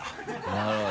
なるほど。